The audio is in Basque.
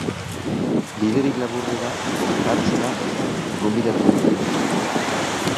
Biderik laburrera hartzera gonbidatu gintuen